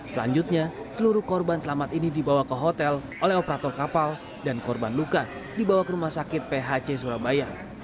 selanjutnya seluruh korban selamat ini dibawa ke hotel oleh operator kapal dan korban luka dibawa ke rumah sakit phc surabaya